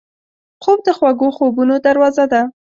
خوب د خوږو خوبونو دروازه ده